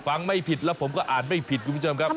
ไม่ผิดแล้วผมก็อ่านไม่ผิดคุณผู้ชมครับ